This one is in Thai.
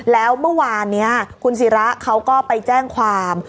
แล้วเมื่อวานนี้คุณศิระเขาก็ไปแจ้งความ